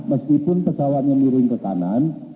meskipun pesawatnya miring ke kanan